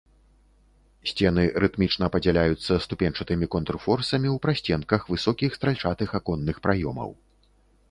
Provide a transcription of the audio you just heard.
Сцены рытмічна падзяляюцца ступеньчатымі контрфорсамі ў прасценках высокіх стральчатых аконных праёмаў.